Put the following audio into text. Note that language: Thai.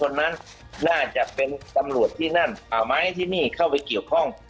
น่าจะเป็นตำรวจที่นั่นมาให้ที่นี่เข้าไปเกี่ยวข้อง